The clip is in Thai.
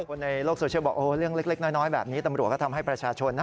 คนในโลกโซเชียลบอกเรื่องเล็กน้อยแบบนี้ตำรวจก็ทำให้ประชาชนนะ